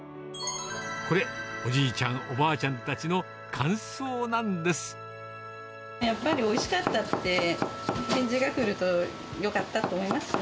これ、おじいちゃん、やっぱりおいしかったって返事が来ると、よかったと思いますね。